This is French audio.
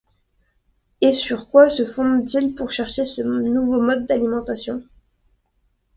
Et sur quoi se fondent-ils pour chercher ce nouveau mode d’alimentation ?